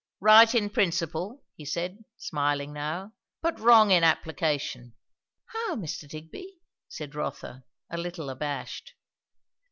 "Right in principle," he said, smiling now, "but wrong in application." "How, Mr. Digby?" said Rotha, a little abashed.